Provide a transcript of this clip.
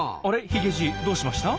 ヒゲじいどうしました？